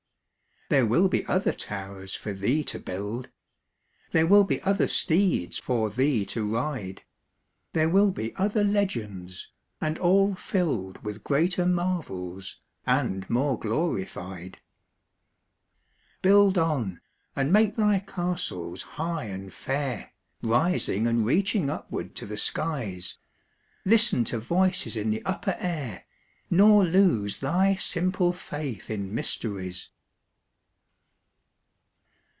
There will be other towers for thee to build; There will be other steeds for thee to ride; There will be other legends, and all filled With greater marvels and more glorified. Build on, and make thy castles high and fair, Rising and reaching upward to the skies; Listen to voices in the upper air, Nor lose thy simple faith in mysteries.